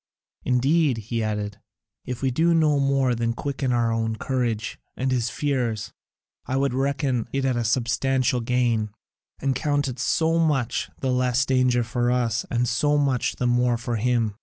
Indeed," he added, "if we do no more than quicken our own courage and his fears, I would reckon it a substantial gain, and count it so much the less danger for us and so much the more for him.